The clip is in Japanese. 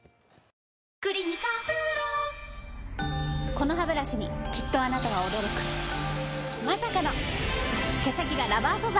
このハブラシにきっとあなたは驚くまさかの毛先がラバー素材！